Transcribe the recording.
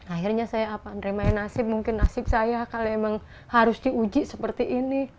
akhirnya saya apa menerima nasib mungkin nasib saya kalau emang harus diuji seperti ini